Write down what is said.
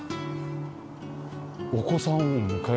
お子さんを迎える。